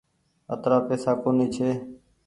اترآ پئيسا ڪونيٚ ڇي۔